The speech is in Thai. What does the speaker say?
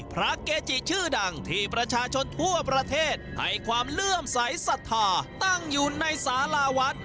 พระเกจิชื่อดังที่ประชาชนทั่วประเทศให้ความเลื่อมใสสัทธาตั้งอยู่ในสาราวัด